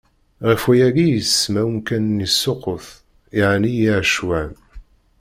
Ɣef wayagi i yesemma i umkan-nni Sukut, yeɛni iɛecwan.